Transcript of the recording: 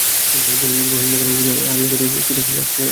তিনি হরিণাকুন্ডু উপজেলার হরিয়ারঘাটার খোদাবকশ শাহের আখড়ায় যান।